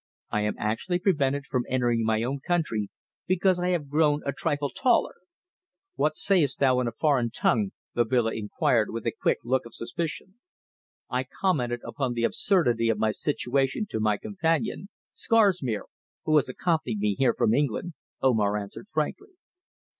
I am actually prevented from entering my own country because I have grown a trifle taller!" "What sayest thou in a foreign tongue?" Babila inquired, with a quick look of suspicion. "I commented upon the absurdity of my situation to my companion, Scarsmere, who has accompanied me from England," Omar answered frankly.